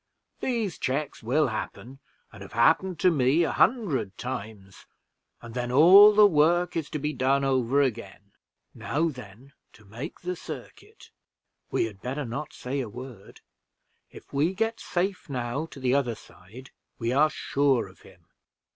These checks will happen, and have happened to me a hundred times, and then all the work is to be done over again. Now then to make the circuit we had better not say a word. If we get safe now to the other side, we are sure of him."